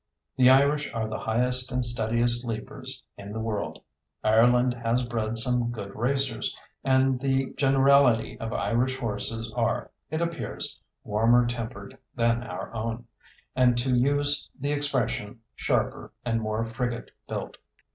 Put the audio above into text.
The Irish are the highest and steadiest leapers in the world. Ireland has bred some good racers, and the generality of Irish horses are, it appears, warmer tempered than our own; and, to use the expression, sharper and more frigate built."